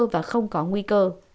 và không có nguy cơ